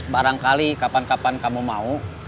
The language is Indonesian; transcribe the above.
barangkali kapan kapan kamu mau